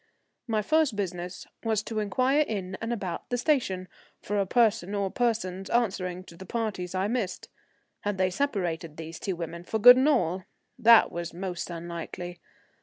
My first business was to inquire in and about the station for a person or persons answering to the parties I missed. Had they separated, these two women, for good and all? That was most unlikely.